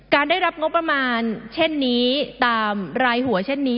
ได้รับงบประมาณเช่นนี้ตามรายหัวเช่นนี้